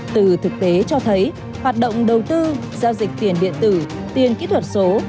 từ thực tế cho thấy hoạt động đầu tư giao dịch tiền điện tử tiền kỹ thuật số